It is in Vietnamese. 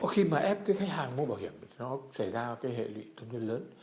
khi mà ép khách hàng mua bảo hiểm nó sẽ ra hệ lụy thông tin lớn